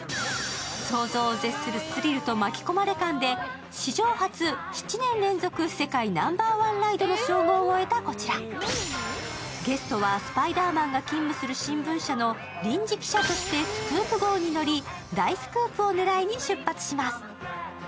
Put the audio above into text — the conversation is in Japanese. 想像を絶するスリルと巻き込まれ感で、史上初、７年連続世界ナンバーワンライドの称号を得たこちら、ゲストはスパイダーマンが勤務する新聞社の臨時記者としてスクープ号に乗り大スクープを狙いに出発します。